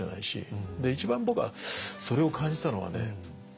で一番僕はそれを感じたのはね